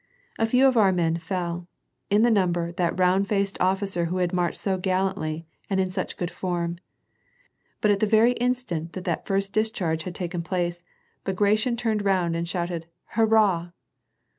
A few of our men fell ; in the num]>er, that round faced officer who had marched by so gallantly and in such good form. But at the very instant that the first discharge had taken place, Bagration turned round and shouted " hurrah."